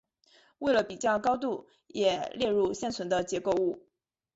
为了比较高度也列入现存的结构物。